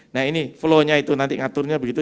nah ini flow nya itu nanti ngaturnya begitu